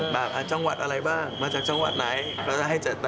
มีร้องเพลงขับกร่ำเพื่อนบ้างไหมคะ